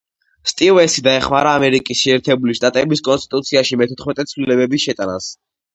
სტივენსი დაეხმარა ამერიკის შეერთებული შტატების კონსტიტუციაში მეთოთხმეტე ცვლილების შეტანას.